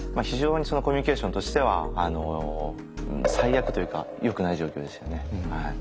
非常にコミュニケーションとしては最悪というかよくない状況でしたね。